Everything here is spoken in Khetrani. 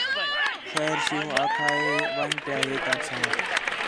خیر سِیُو آکھا ہِے ون٘ڄ پِیا ہے تَڑ ساں